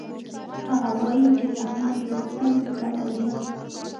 هغه وایي چې زحمت ویستل ګټه لري